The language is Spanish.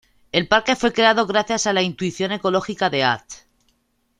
El parque fue creado gracias a la intuición ecológica de Att.